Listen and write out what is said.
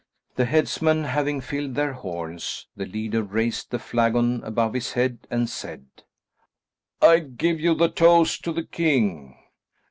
The headsman having filled their horns, the leader raised the flagon above his head and said, "I give you the toast of The King!"